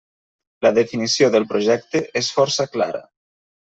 La definició del projecte és força clara.